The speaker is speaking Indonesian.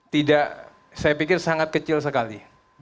tidak saya pikir sangat kecil sekali